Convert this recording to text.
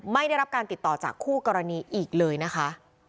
ไม่ได้รับการติดต่อจากคู่กรณีอีกเลยนะคะ